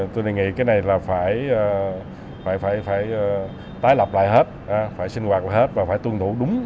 tôi nghĩ cái này là phải tái lập lại hết phải sinh hoạt lại hết và phải tuân thủ đúng